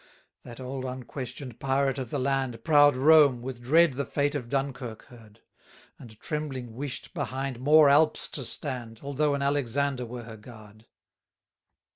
30 That old unquestion'd pirate of the land, Proud Rome, with dread the fate of Dunkirk heard; And trembling wish'd behind more Alps to stand, Although an Alexander were her guard.